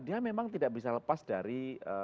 dia memang tidak bisa lepas dari